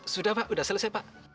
sudah pak sudah selesai pak